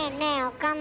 岡村。